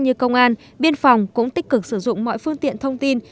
như công an biên phòng cũng tích cực sử dụng mọi phương tiện thông tin